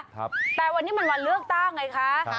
แต่วันนี้มันวันเลือกตั้งไงคะ